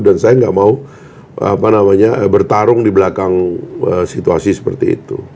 dan saya nggak mau bertarung di belakang situasi seperti itu